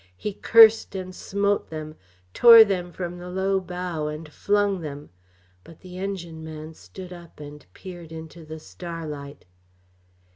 He cursed and smote them, tore them from the low bow and flung them. But the engineman stood up and peered into the starlight.